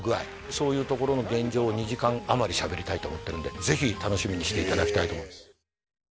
そういう所の現状を２時間余りしゃべりたいと思ってるんでぜひ楽しみにしていただきたいと思います